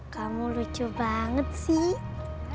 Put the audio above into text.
kamu lucu banget sih